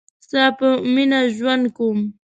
ستا په میینه ژوند کوم